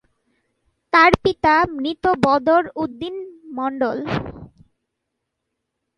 তার পিতা মৃত বদর উদ্দিন মণ্ডল।